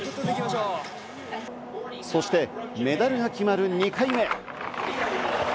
そして、メダルが決まる２回目。